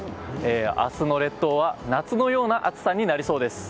明日の列島は夏のような暑さになりそうです。